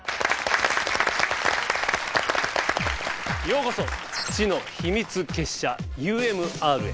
ようこそ知の秘密結社ＵＭＲへ。